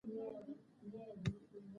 پسه د افغانانو د معیشت یوه بنسټیزه سرچینه ده.